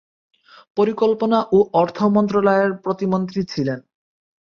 পরিকল্পনা ও অর্থ মন্ত্রণালয়ের প্রতিমন্ত্রী ছিলেন।